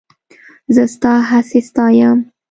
زه ستا هڅې ستایم.